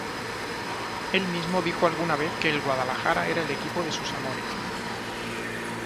Él mismo dijo alguna vez que el Guadalajara era el equipo de sus amores.